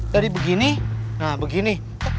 tadi begini nah begini